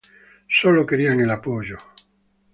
Solo querían el apoyo.